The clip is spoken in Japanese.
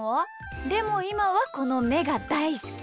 でもいまはこのめがだいすき！